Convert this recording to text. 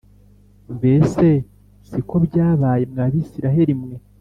Mbese si ko byabaye mwa Bisirayeli mwe?